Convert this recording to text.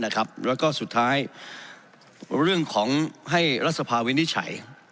แล้วก็สุดท้ายเรื่องของให้รัฐสภาวินิจฉัย